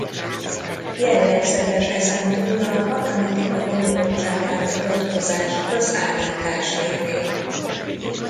Jellegzetes ezen túl a matematika bonyolultságára hivatkozás az állítás révén.